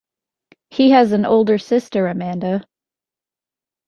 He has an older sister Amanda.